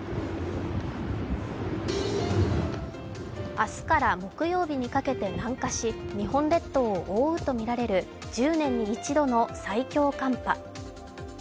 明日から木曜日にかけて南下し日本列島を覆うとみられる１０年に一度の最強寒波。